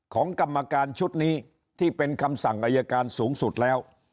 ของกรรมการชุดนี้ที่เป็นคำสั่งอายการสูงสุดแล้ว